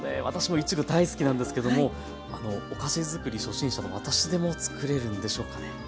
私もいちご大好きなんですけどもお菓子づくり初心者の私でもつくれるんでしょうかね？